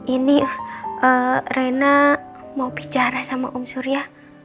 ini rena mau bicara sama om surya